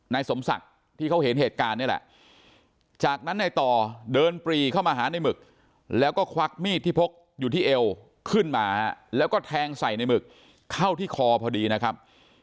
สมศักดิ์ที่เขาเห็นเหตุการณ์นี่แหละจากนั้นในต่อเดินปรีเข้ามาหาในหมึกแล้วก็ควักมีดที่พกอยู่ที่เอวขึ้นมาแล้วก็แทงใส่ในหมึกเข้าที่คอพอดีนะครับ